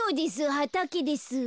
はたけです。